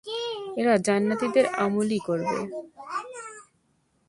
এরা জান্নাতীদের আমলই করবে।